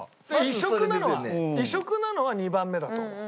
異色なのは異色なのは２番目だと思う。